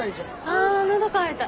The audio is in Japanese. あ喉渇いた。